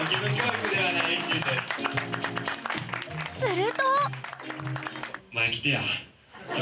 すると！